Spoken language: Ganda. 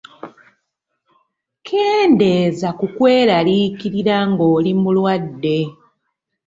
Keendeeza ku kweraliikirira ng’oli mulwadde.